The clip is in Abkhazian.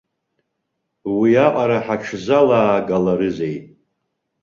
Уиаҟара ҳаҽзалаагаларызеи.